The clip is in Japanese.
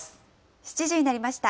７時になりました。